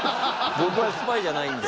僕はスパイじゃないんで。